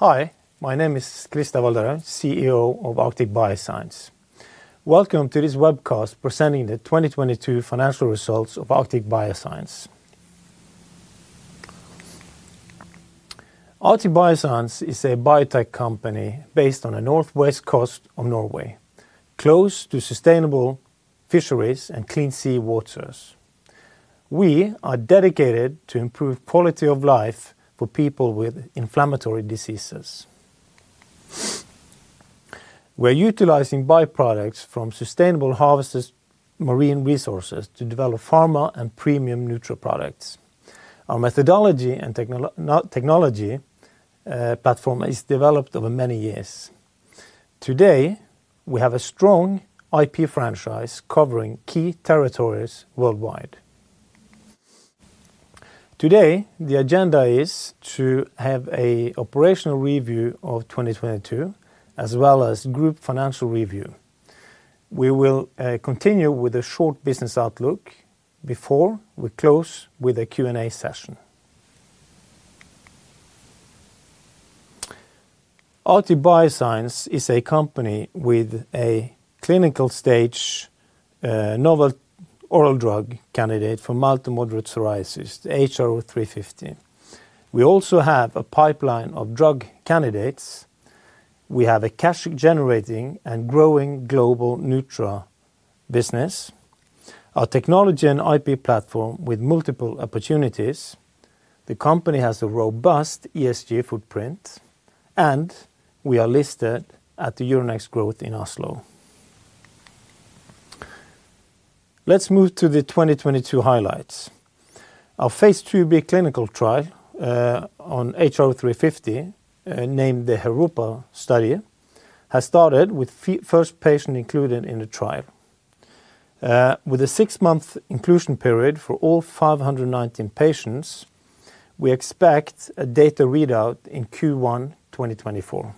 Hi, my name is Christer Valderhaug, CEO of Arctic Bioscience. Welcome to this webcast presenting the 2022 financial results of Arctic Bioscience. Arctic Bioscience is a biotech company based on the northwest coast of Norway, close to sustainable fisheries and clean sea waters. We are dedicated to improve quality of life for people with inflammatory diseases. We're utilizing byproducts from sustainable harvested marine resources to develop pharma and premium nutra products. Our methodology and technology platform is developed over many years. Today, we have a strong IP franchise covering key territories worldwide. Today, the agenda is to have a operational review of 2022 as well as group financial review. We will continue with a short business outlook before we close with a Q&A session. Arctic Bioscience is a company with a clinical stage novel oral drug candidate for mild to moderate psoriasis, the HRO350. We also have a pipeline of drug candidates. We have a cash generating and growing global nutra business. Our technology and IP platform with multiple opportunities. The company has a robust ESG footprint. We are listed at the Euronext Growth in Oslo. Let's move to the 2022 highlights. Our phase IIb clinical trial on HRO350, named the HeRoPA study, has started with first patient included in the trial. With a six month inclusion period for all 519 patients, we expect a data readout in Q1 2024.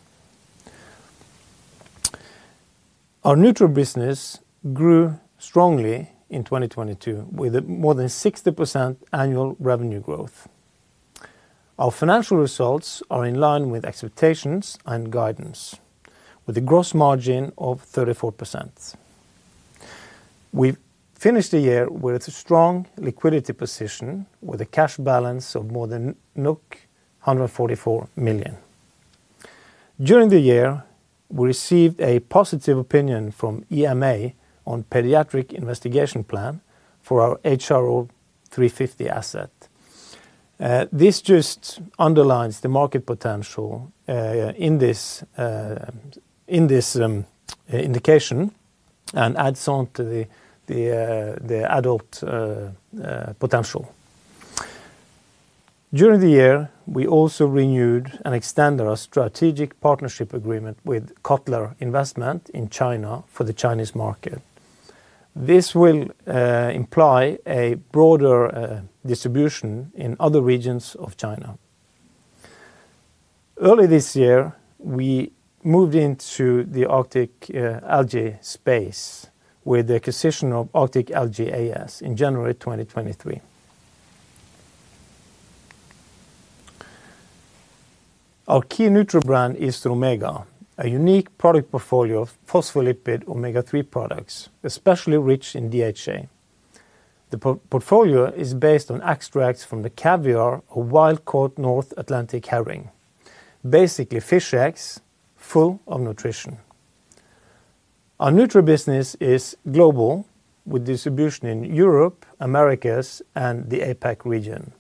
Our nutra business grew strongly in 2022 with more than 60% annual revenue growth. Our financial results are in line with expectations and guidance, with a gross margin of 34%. We finished the year with a strong liquidity position with a cash balance of more than 144 million. During the year, we received a positive opinion from EMA on Paediatric Investigation Plan for our HRO350 asset. This just underlines the market potential in this indication and adds on to the adult potential. During the year, we also renewed and extended our strategic partnership agreement with Kotler Marketing Group in China for the Chinese market. This will imply a broader distribution in other regions of China. Early this year, we moved into the Arctic Algae space with the acquisition of Arctic Algae AS in January 2023. Our key nutra brand is Romega, a unique product portfolio of phospholipid omega-3 products, especially rich in DHA. The portfolio is based on extracts from the caviar of wild-caught North Atlantic herring. Basically fish eggs full of nutrition. Our nutra business is global with distribution in Europe, Americas, and the APAC region.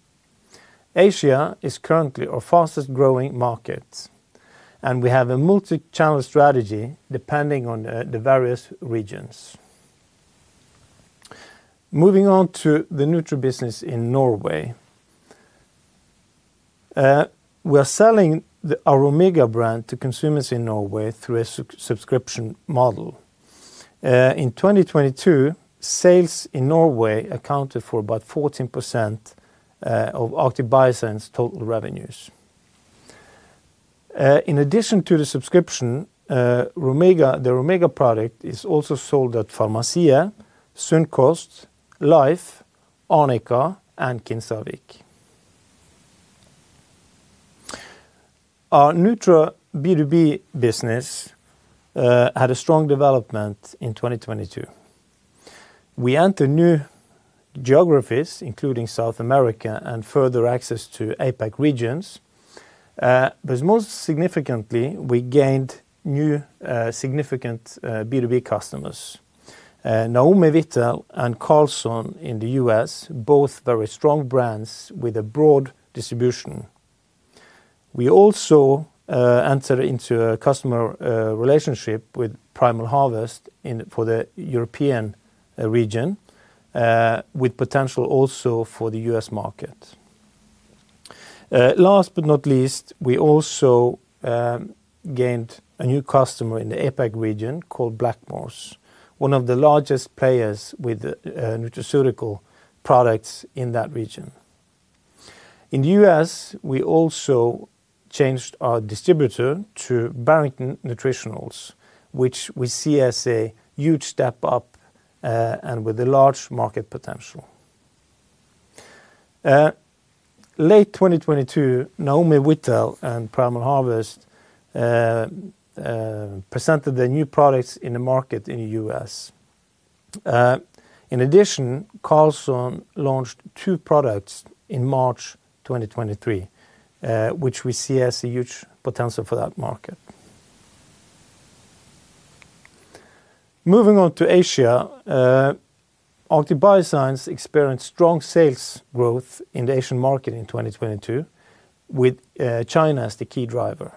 Asia is currently our fastest-growing market, and we have a multichannel strategy depending on the various regions. Moving on to the nutra business in Norway. We are selling our Romega brand to consumers in Norway through a subscription model. In 2022, sales in Norway accounted for about 14% of Arctic Bioscience total revenues. In addition to the subscription, Romega, the Romega product is also sold at Farmasiet, Sunkost, Life, Arnica, and Kinsarvik. Our nutra B2B business had a strong development in 2022. We entered new geographies, including South America and further access to APAC regions. Most significantly, we gained new, significant B2B customers. Naomi Whitteland Carlson in the US, both very strong brands with a broad distribution. We also entered into a customer relationship with Primal Harvest for the European region, with potential also for the US market. Last but not least, we also gained a new customer in the APAC region called Blackmores, one of the largest players with nutraceutical products in that region. In the US, we also changed our distributor to Barrington Nutritionals, which we see as a huge step up and with a large market potential. Late 2022, Naomi Whittel and Primal Harvest presented the new products in the market in the US. In addition, Carlson launched two products in March 2023, which we see as a huge potential for that market. Moving on to Asia, Arctic Bioscience experienced strong sales growth in the Asian market in 2022 with China as the key driver.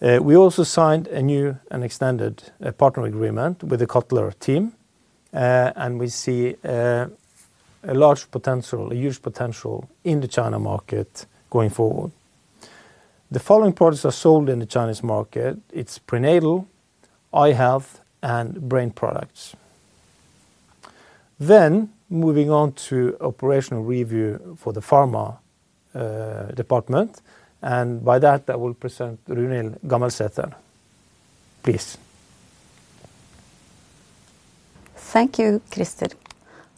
We also signed a new and extended partner agreement with the Kotler team. We see a large potential, a huge potential in the China market going forward. The following products are sold in the Chinese market. It's prenatal, eye health, and brain products. Moving on to operational review for the pharma department, and by that, I will present Runhild Gammelsæter. Please. Thank you, Christer.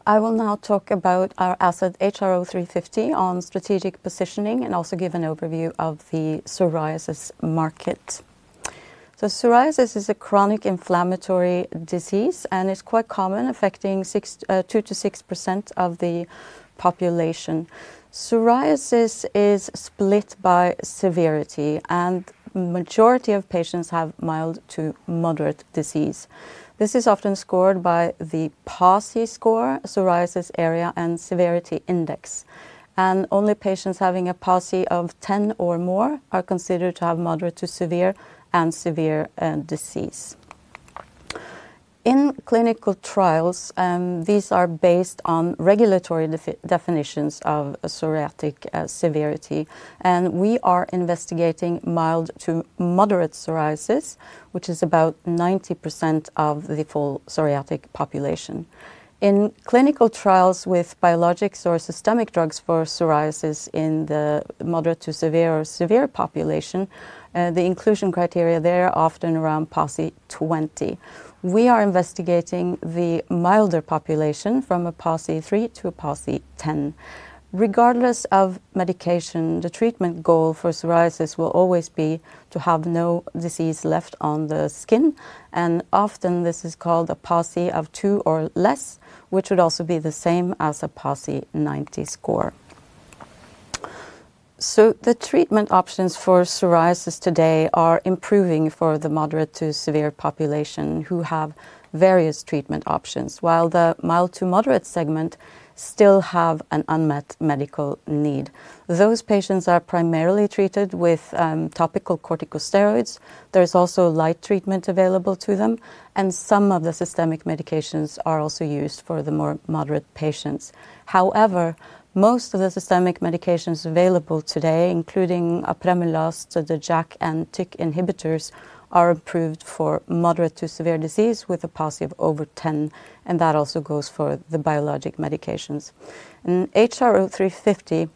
I will now talk about our asset HRO350 on strategic positioning and also give an overview of the psoriasis market. Psoriasis is a chronic inflammatory disease, and it's quite common, affecting 2% to 6% of the population. Psoriasis is split by severity, and majority of patients have mild to moderate disease. This is often scored by the PASI score, Psoriasis Area and Severity Index, and only patients having a PASI of 10 or more are considered to have moderate to severe and severe disease. In clinical trials, these are based on regulatory definitions of psoriatic severity, and we are investigating mild to moderate psoriasis, which is about 90% of the full psoriatic population. In clinical trials with biologics or systemic drugs for psoriasis in the moderate to severe or severe population, the inclusion criteria there are often around PASI 20. We are investigating the milder population from a PASI 3 to a PASI 10. Regardless of medication, the treatment goal for psoriasis will always be to have no disease left on the skin, and often this is called a PASI of two or less, which would also be the same as a PASI 90 score. The treatment options for psoriasis today are improving for the moderate to severe population who have various treatment options, while the mild to moderate segment still have an unmet medical need. Those patients are primarily treated with topical corticosteroids. There's also light treatment available to them, and some of the systemic medications are also used for the more moderate patients. However, most of the systemic medications available today, including Apremilast, the JAK and TYK2 inhibitors, are approved for moderate to severe disease with a PASI of over 10, and that also goes for the biologic medications. HRO350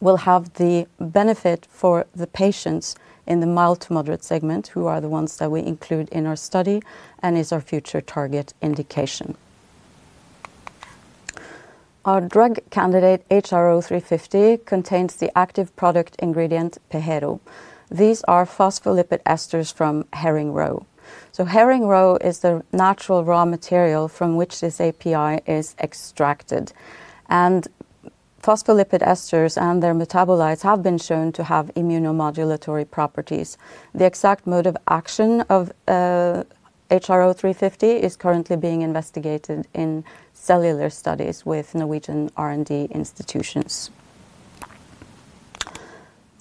will have the benefit for the patients in the mild to moderate segment, who are the ones that we include in our study and is our future target indication. Our drug candidate, HRO350, contains the active product ingredient PeHeRo. These are phospholipid esters from herring roe. Herring roe is the natural raw material from which this API is extracted. Phospholipid esters and their metabolites have been shown to have immunomodulatory properties. The exact mode of action of HRO350 is currently being investigated in cellular studies with Norwegian R&D institutions.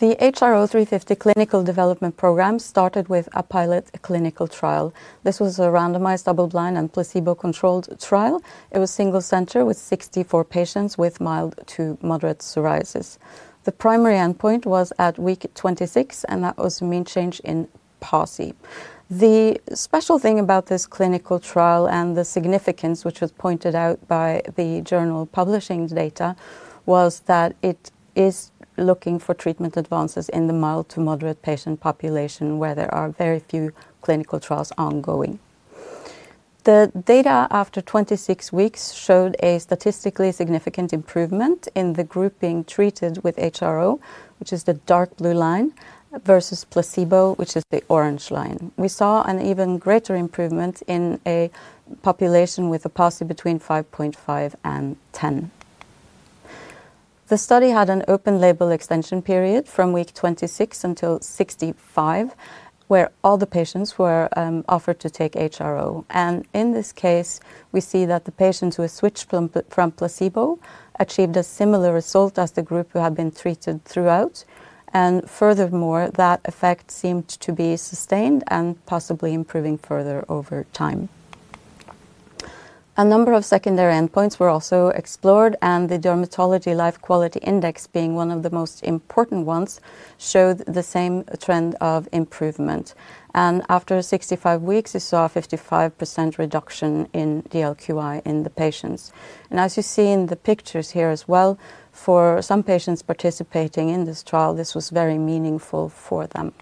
The HRO350 clinical development program started with a pilot clinical trial. This was a randomized double-blind and placebo-controlled trial. It was single center with 64 patients with mild to moderate psoriasis. The primary endpoint was at week 26, and that was mean change in PASI. The special thing about this clinical trial and the significance, which was pointed out by the journal publishing the data, was that it is looking for treatment advances in the mild to moderate patient population where there are very few clinical trials ongoing. The data after 26 weeks showed a statistically significant improvement in the group being treated with HRO, which is the dark blue line, versus placebo, which is the orange line. We saw an even greater improvement in a population with a PASI between 5.5 and 10. The study had an open label extension period from week 26 until 65, where all the patients were offered to take HRO. In this case, we see that the patients who have switched from placebo achieved a similar result as the group who have been treated throughout. Furthermore, that effect seemed to be sustained and possibly improving further over time. A number of secondary endpoints were also explored. The Dermatology Life Quality Index, being one of the most important ones, showed the same trend of improvement. After 65 weeks, we saw a 55% reduction in DLQI in the patients. As you see in the pictures here as well, for some patients participating in this trial, this was very meaningful for them.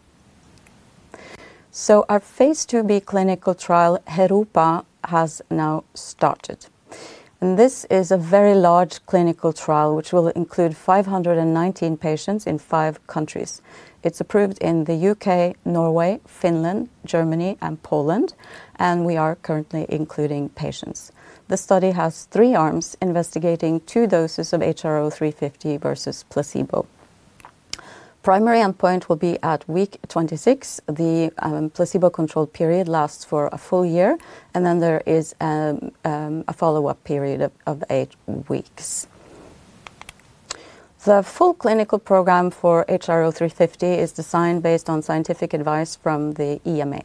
Our phase II clinical trial HeRoPA has now started, and this is a very large clinical trial which will include 519 patients in five countries. It's approved in the UK, Norway, Finland, Germany, and Poland, and we are currently including patients. The study has three arms investigating two doses of HRO350 versus placebo. Primary endpoint will be at week 26. The placebo control period lasts for one year, and then there is a follow-up period of eight weeks. The full clinical program for HRO350 is designed based on scientific advice from the EMA.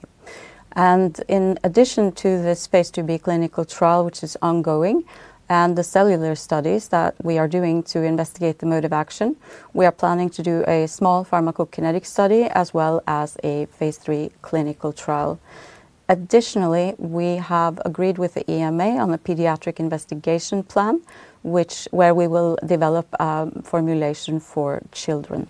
In addition to this Phase IIb clinical trial, which is ongoing, and the cellular studies that we are doing to investigate the mode of action, we are planning to do a small pharmacokinetic study, as well as a Phase III clinical trial. Additionally, we have agreed with the EMA on a Paediatric Investigation Plan, where we will develop a formulation for children.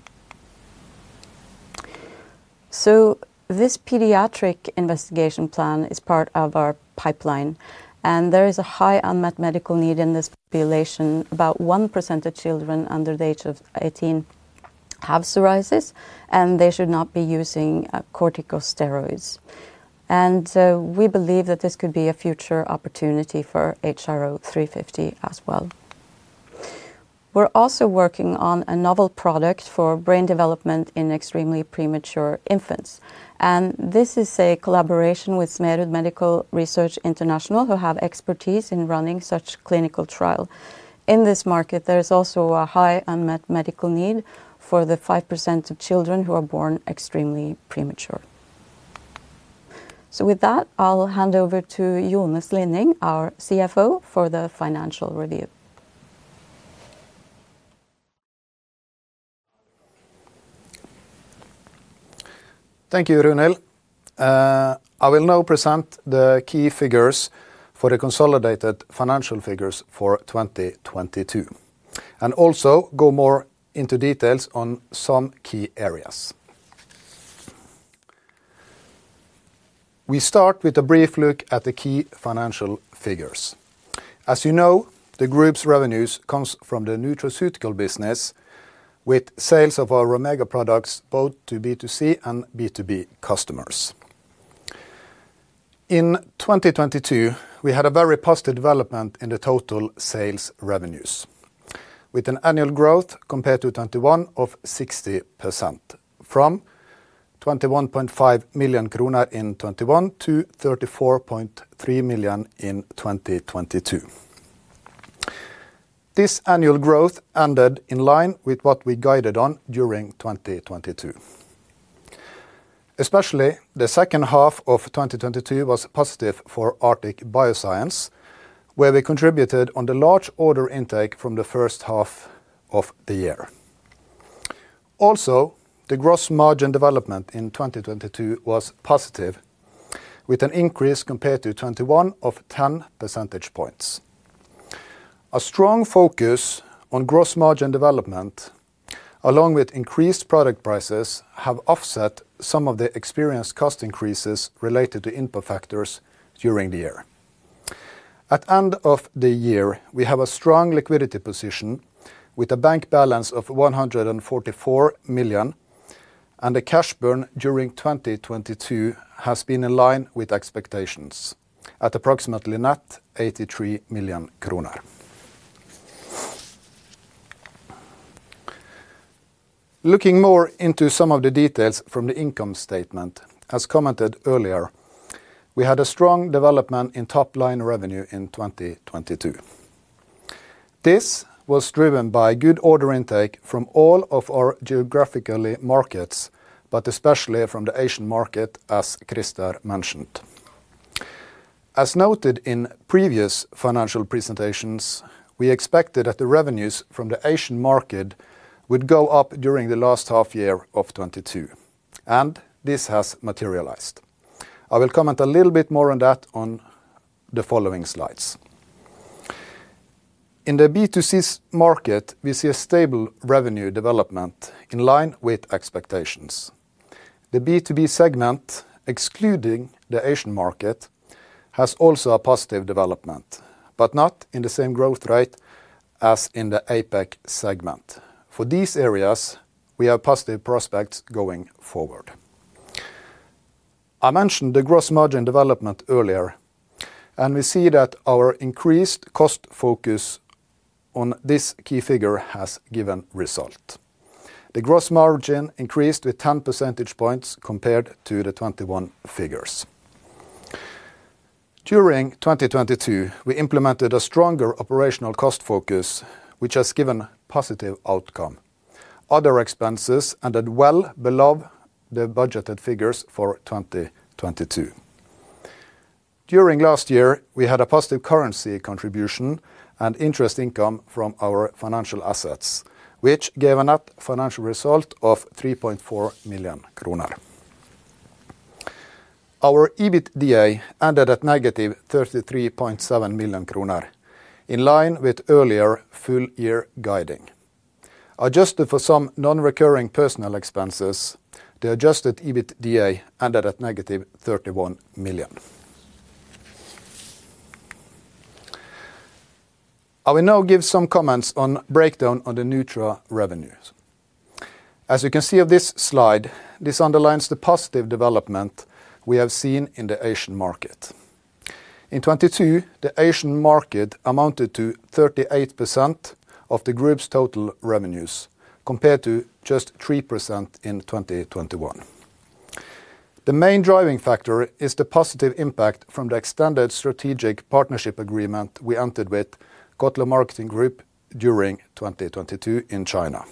This Paediatric Investigation Plan is part of our pipeline, and there is a high unmet medical need in this population. About 1% of children under the age of 18 have psoriasis, and they should not be using corticosteroids. We believe that this could be a future opportunity for HRO350 as well. We're also working on a novel product for brain development in extremely premature infants, and this is a collaboration with Smerud Medical Research International, who have expertise in running such clinical trial. In this market, there is also a high unmet medical need for the 5% of children who are born extremely premature. With that, I'll hand over to Jone R. Slinning, our CFO, for the financial review. Thank you, Runhild. I will now present the key figures for the consolidated financial figures for 2022, and also go more into details on some key areas. We start with a brief look at the key financial figures. As you know, the group's revenues comes from the nutraceutical business with sales of our Romega products both to B2C and B2B customers. In 2022, we had a very positive development in the total sales revenues, with an annual growth compared to 2021 of 60% from 21.5 million kroner in 2021 to 34.3 million in 2022. This annual growth ended in line with what we guided on during 2022. Especially, the second half of 2022 was positive for Arctic Bioscience, where we contributed on the large order intake from the first half of the year. The gross margin development in 2022 was positive, with an increase compared to 2021 of 10 percentage points. A strong focus on gross margin development, along with increased product prices, have offset some of the experienced cost increases related to input factors during the year. At end of the year, we have a strong liquidity position with a bank balance of 144 million, and the cash burn during 2022 has been in line with expectations at approximately net 83 million kroner. Looking more into some of the details from the income statement, as commented earlier, we had a strong development in top line revenue in 2022. This was driven by good order intake from all of our geographically markets, but especially from the Asian market, as Christer mentioned. As noted in previous financial presentations, we expected that the revenues from the Asian market would go up during the last half year of 2022. This has materialized. I will comment a little bit more on that on the following slides. In the B2C's market, we see a stable revenue development in line with expectations. The B2B segment, excluding the Asian market, has also a positive development, but not in the same growth rate as in the APAC segment. For these areas, we have positive prospects going forward. I mentioned the gross margin development earlier. We see that our increased cost focus on this key figure has given result. The gross margin increased with 10 percentage points compared to the 2021 figures. During 2022, we implemented a stronger operational cost focus, which has given positive outcome. Other expenses ended well below the budgeted figures for 2022. During last year, we had a positive currency contribution and interest income from our financial assets, which gave a net financial result of 3.4 million kroner. Our EBITDA ended at negative 33.7 million kroner, in line with earlier full year guiding. Adjusted for some non-recurring personal expenses, the adjusted EBITDA ended at negative 31 million. I will now give some comments on breakdown on the Nutra revenues. As you can see on this slide, this underlines the positive development we have seen in the Asian market. In 2022, the Asian market amounted to 38% of the group's total revenues compared to just 3% in 2021. The main driving factor is the positive impact from the extended strategic partnership agreement we entered with Kotler Marketing Group during 2022 in China.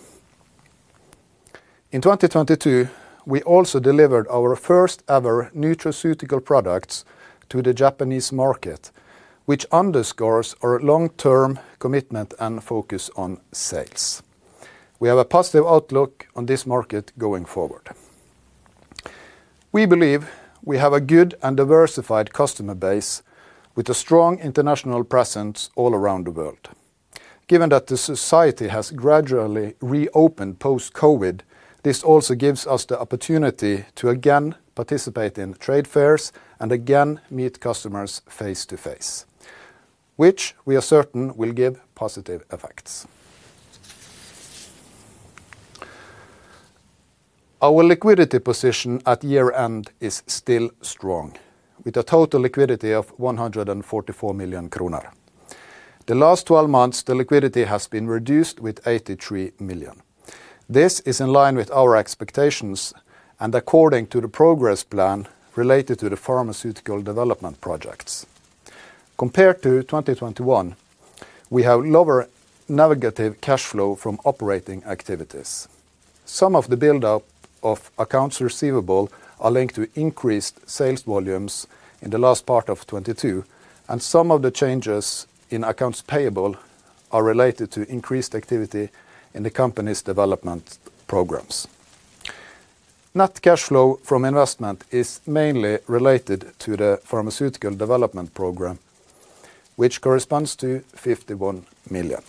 In 2022, we also delivered our first ever nutraceutical products to the Japanese market, which underscores our long-term commitment and focus on sales. We have a positive outlook on this market going forward. We believe we have a good and diversified customer base with a strong international presence all around the world. Given that the society has gradually reopened post-COVID, this also gives us the opportunity to again participate in trade fairs and again meet customers face-to-face, which we are certain will give positive effects. Our liquidity position at year-end is still strong, with a total liquidity of 144 million kroner. The last 12 months, the liquidity has been reduced with 83 million. This is in line with our expectations and according to the progress plan related to the pharmaceutical development projects. Compared to 2021, we have lower negative cash flow from operating activities. Some of the buildup of accounts receivable are linked to increased sales volumes in the last part of 2022, and some of the changes in accounts payable are related to increased activity in the company's development programs. Net cash flow from investment is mainly related to the pharmaceutical development program, which corresponds to 51 million.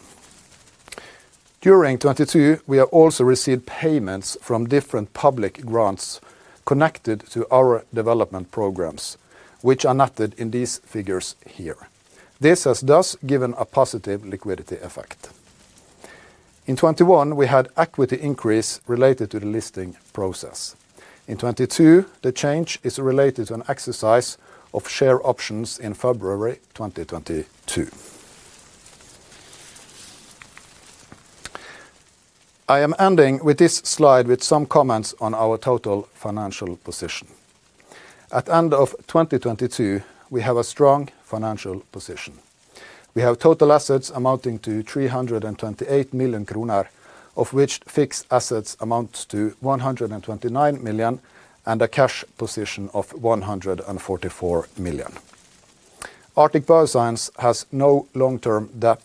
During 2022, we have also received payments from different public grants connected to our development programs, which are noted in these figures here. This has thus, given a positive liquidity effect. In 2021, we had equity increase related to the listing process. In 2022, the change is related to an exercise of share options in February 2022. I am ending with this slide with some comments on our total financial position. At end of 2022, we have a strong financial position. We have total assets amounting to 328 million kroner, of which fixed assets amount to 129 million and a cash position of 144 million. Arctic Bioscience has no long-term debt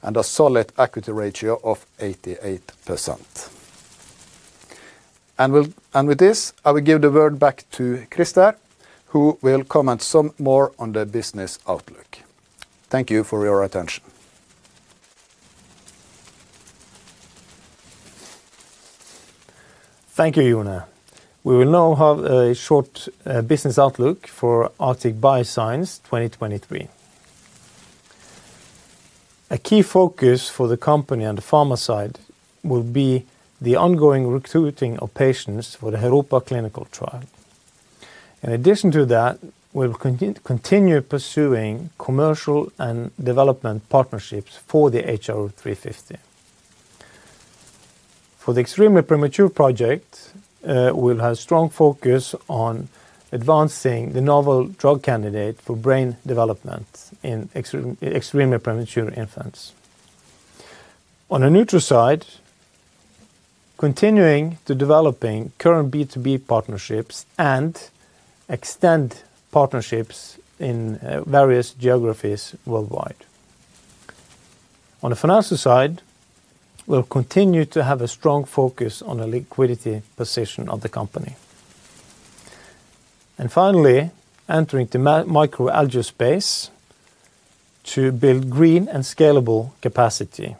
and a solid equity ratio of 88%. With this, I will give the word back to Christer, who will comment some more on the business outlook. Thank you for your attention. Thank you, Jone. We will now have a short business outlook for Arctic Bioscience 2023. A key focus for the company on the pharma side will be the ongoing recruiting of patients for the HeRoPA clinical trial. In addition to that, we'll continue pursuing commercial and development partnerships for the HRO350. For the extremely premature project, we'll have strong focus on advancing the novel drug candidate for brain development in extremely premature infants. On the Nutra side, continuing to developing current B2B partnerships and extend partnerships in various geographies worldwide. On the financial side, we'll continue to have a strong focus on the liquidity position of the company. Finally, entering the microalgae space to build green and scalable capacity.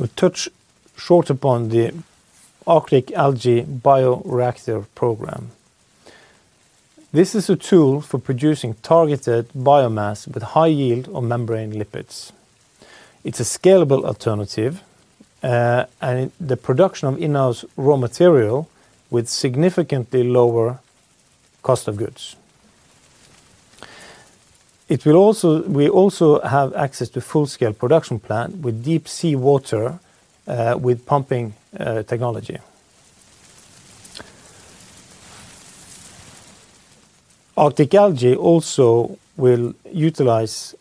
We touch short upon the Arctic Algae bioreactor program. This is a tool for producing targeted biomass with high yield on membrane lipids. It's a scalable alternative, and the production of in-house raw material with significantly lower cost of goods. We also have access to full scale production plant with deep seawater with pumping technology. Arctic Algae also will utilize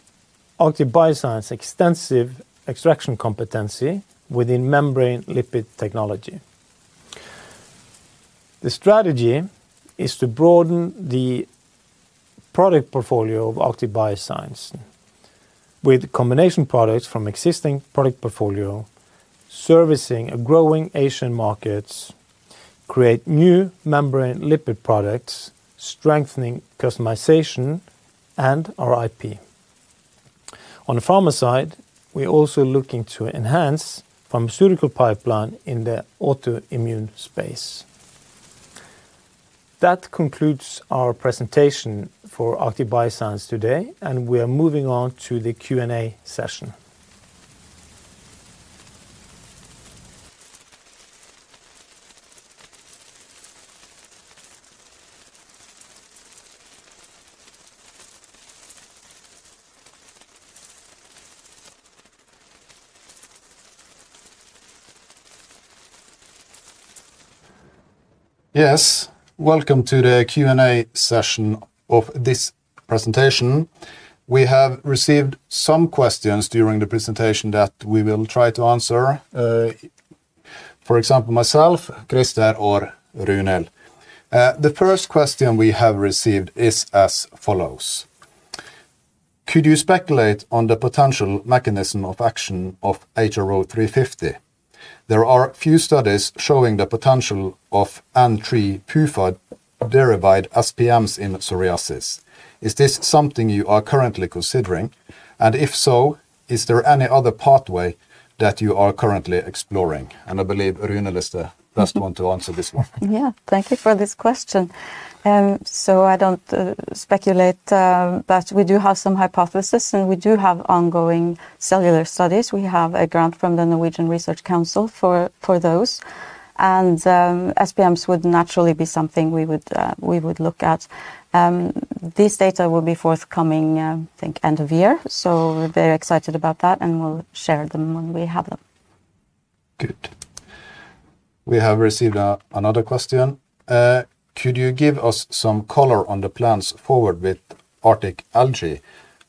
Arctic Bioscience extensive extraction competency within membrane lipid technology. The strategy is to broaden the product portfolio of Arctic Bioscience with combination products from existing product portfolio, servicing a growing Asian markets create new membrane lipid products, strengthening customization and our IP. On the pharma side, we're also looking to enhance pharmaceutical pipeline in the autoimmune space. That concludes our presentation for Arctic Bioscience today. We are moving on to the Q&A session. Yes. Welcome to the Q&A session of this presentation. We have received some questions during the presentation that we will try to answer. For example, myself, Christer, or Runhild. The first question we have received is as follows. Could you speculate on the potential mechanism of action of HRO350? There are a few studies showing the potential of n-3 PUFA-derived SPMs in psoriasis. Is this something you are currently considering, and if so, is there any other pathway that you are currently exploring? I believe Runhild is the best one to answer this one. Yeah. Thank you for this question. I don't speculate, but we do have some hypothesis, and we do have ongoing cellular studies. We have a grant from the Norwegian Research Council for those. SPMs would naturally be something we would look at. This data will be forthcoming, I think end of year, so we're very excited about that, and we'll share them when we have them. Good. We have received another question. Could you give us some color on the plans forward with Arctic Algae?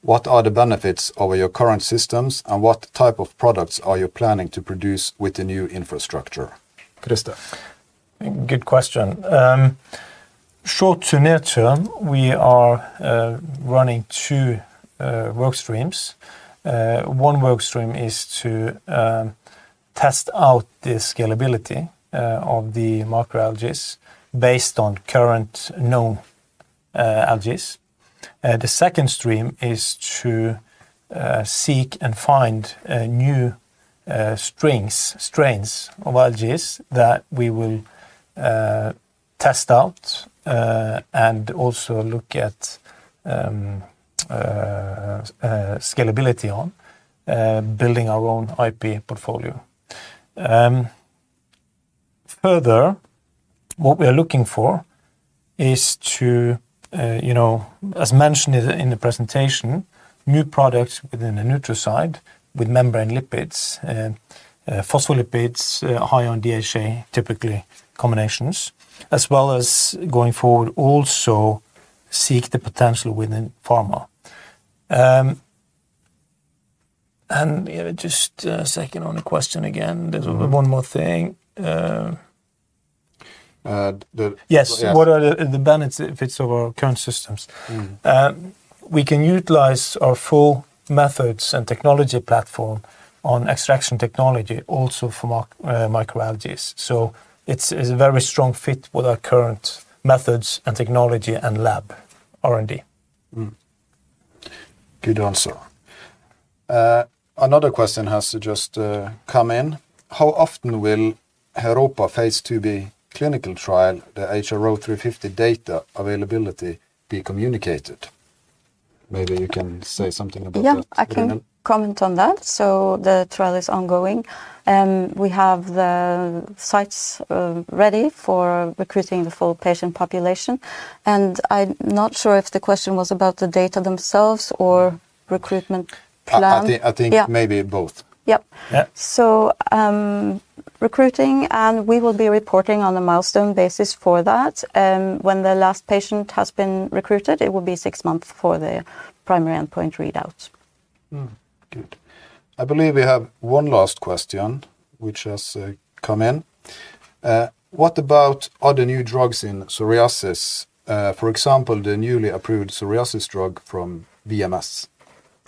What are the benefits over your current systems, and what type of products are you planning to produce with the new infrastructure? Christer. Good question. Short to near term, we are running two work streams. One work stream is to test out the scalability of the microalgae based on current known algaes. The second stream is to seek and find new strains of algaes that we will test out and also look at scalability on building our own IP portfolio. Further, what we are looking for is to, you know, as mentioned in the presentation, new products within the nutraceutical side with membrane lipids and phospholipids, high on DHA, typically combinations, as well as going forward, also seek the potential within pharma. And yeah, just a second on the question again. There's one more thing. The... Yes. What are the benefits of our current systems? Mm. We can utilize our full methods and technology platform on extraction technology also from our microalgae. It's a very strong fit with our current methods and technology and lab R&D. Good answer. Another question has just come in. How often will HeRoPA phase IIb clinical trial, the HRO350 data availability be communicated? Maybe you can say something about that. Yeah. Runhild Comment on that. The trial is ongoing. We have the sites ready for recruiting the full patient population, and I'm not sure if the question was about the data themselves or recruitment plan. I think maybe both. Yep. So Recruiting, and we will be reporting on a milestone basis for that. When the last patient has been recruited, it will be six months for the primary endpoint read out. Good. I believe we have one last question which has come in. What about other new drugs in psoriasis? For example, the newly approved psoriasis drug from BMS.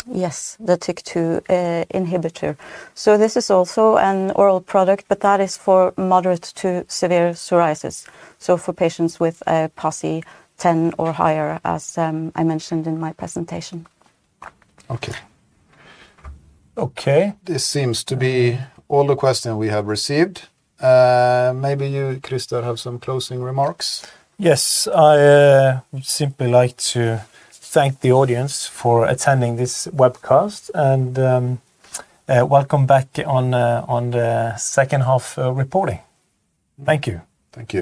Yes, the TYK2 inhibitor. This is also an oral product, but that is for moderate to severe psoriasis, for patients with a PASI 10 or higher, as I mentioned in my presentation. Okay. Okay, this seems to be all the questions we have received. Maybe you, Christer, have some closing remarks. Yes. I would simply like to thank the audience for attending this webcast, and welcome back on the second half reporting. Thank you. Thank you.